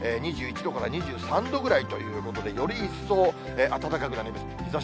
２１度から２３度ぐらいということで、より一層、暖かくなります。